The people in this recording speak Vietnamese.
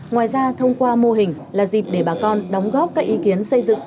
ngoài ra thông qua mô hình là dịp để bà con đóng góp các ý kiến xây dựng